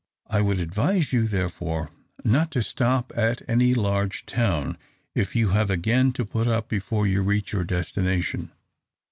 I would advise you, therefore, not to stop at any large town, if you have again to put up before you reach your destination."